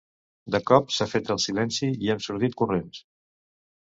De cop s’ha fet el silenci i hem sortit corrents.